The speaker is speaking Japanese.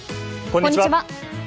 こんにちは。